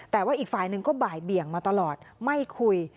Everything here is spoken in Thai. แต่ว่าอีกฝ่ายหนึ่งก็บ่ายเบี่ยงมาตลอดไม่คุย